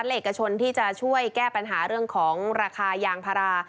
เอกชนที่จะช่วยแก้ปัญหาเรื่องของราคายางพารา